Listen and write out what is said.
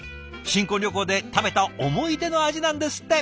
新婚旅行で食べた思い出の味なんですって。